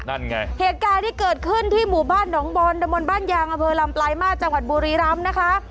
นั่นไงเหตุการณ์ที่เกิดขึ้นที่หมู่บ้านหนองบอลดมนต์บ้านยางอเภอลำปลายมาสจังหวัดบุรีรำนะคะ